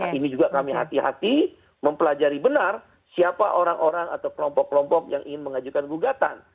nah ini juga kami hati hati mempelajari benar siapa orang orang atau kelompok kelompok yang ingin mengajukan gugatan